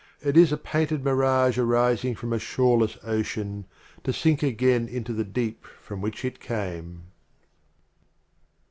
It is a Painted Mirage arising from a Shoreless Ocean, To sink again into the Deep from which it came.